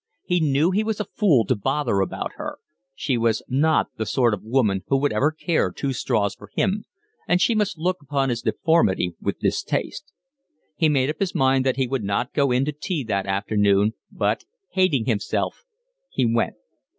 He knew he was a fool to bother about her; she was not the sort of woman who would ever care two straws for him, and she must look upon his deformity with distaste. He made up his mind that he would not go in to tea that afternoon, but, hating himself, he went.